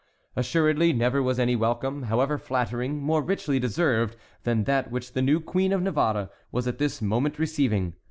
Assuredly never was any welcome, however flattering, more richly deserved than that which the new Queen of Navarre was at this moment receiving.